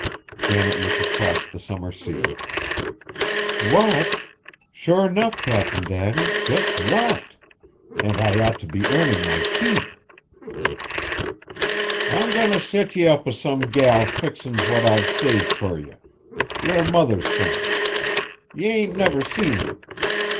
Janet looked across the summer sea. "What? Sure enough, Cap'n Daddy, just what? And I ought to be earning my keep." "I'm goin' t' set ye up with some gal fixin's what I've saved fur ye. Yer mother's things! Ye ain't never seen them.